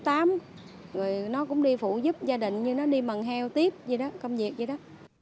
rồi nó cũng đi phụ giúp gia đình như nó đi mần heo tiếp vậy đó công việc vậy đó